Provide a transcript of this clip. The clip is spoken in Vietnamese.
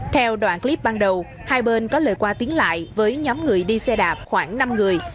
theo đoạn clip ban đầu hai bên có lời qua tiếng lại với nhóm người đi xe đạp khoảng năm người